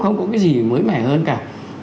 không có cái gì mới mẻ hơn cả